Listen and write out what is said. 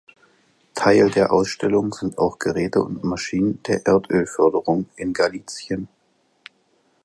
Teil der Ausstellung sind auch Geräte und Maschinen der Erdölförderung in Galizien.